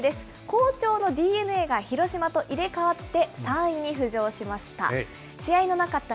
好調のＤｅＮＡが広島と入れ代わって３位に浮上しました。